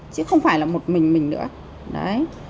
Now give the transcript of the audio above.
chứ không phải là một mình mình nữa đấy